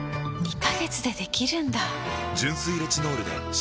２カ月でできるんだ！